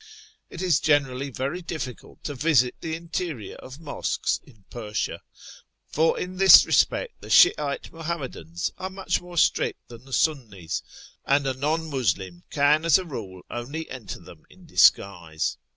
It is generally very difficult to visit the interior of mosques in Persia ; for in this respect the Shi'ite Muhammadans are much more strict than the Sunnis, and a non Muslim can, as a rule, only enter them in disguise.